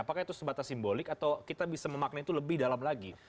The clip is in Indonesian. apakah itu sebatas simbolik atau kita bisa memakna itu lebih dalam lagi